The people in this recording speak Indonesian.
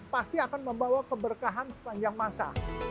pasti akan membawa keberkahan sepanjang masa